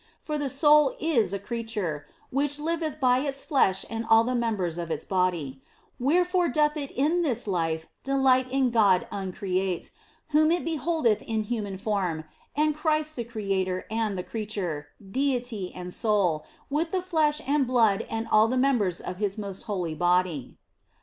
For the soul is a creature, which liveth by its flesh and all the members of its body, wherefore doth it in this life delight in God uncreate, whom it beholdeth in human form, and Christ the Creator and the creature, Deity and soul, with the flesh and blood and all the members of His most holy body.